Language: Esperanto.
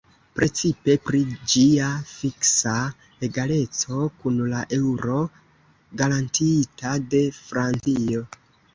Precipe pri ĝia fiksa egaleco kun la eŭro garantiita de Francio.